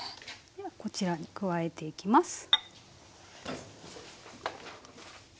ではこちらに加えていきます。